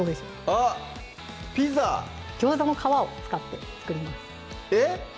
あっピザギョウザの皮を使って作りますえっ